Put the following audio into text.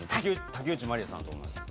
竹内まりやさんだと思います？